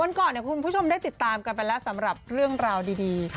ก่อนคุณผู้ชมได้ติดตามกันไปแล้วสำหรับเรื่องราวดี